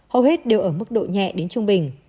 hầu hết đều ở mức độ nhẹ đến trung bình